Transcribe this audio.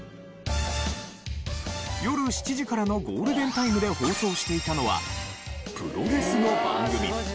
夜７時からのゴールデンタイムで放送していたのはプロレスの番組。